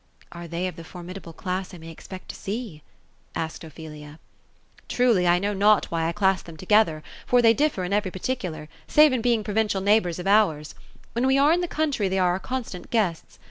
'' Are they of the formidable class I may expect to see ?" asked Ophelia. ^* Truly, I know not why I classed them together; for they differ in every particular, save in being provincial neighbors of ours. When we are in the country they are our constant guests.